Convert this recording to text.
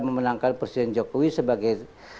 memenangkan presiden jokowi sebagai